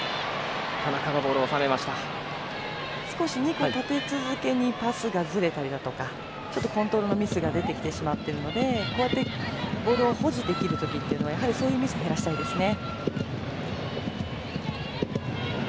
少し、２個立て続けにパスがずれたりとかちょっとコントロールのミスが出てきてしまっているのでボールを保持できる時はそういうミスを減らしたいですね。